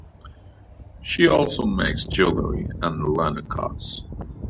She also makes jewellery and linocuts.